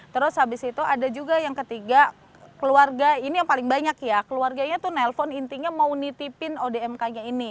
terus habis itu ada juga yang ketiga keluarga ini yang paling banyak ya keluarganya tuh nelpon intinya mau nitipin odmk nya ini